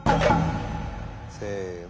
せの。